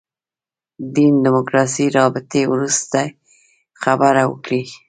دین دیموکراسي رابطې وروستۍ خبره وکړي.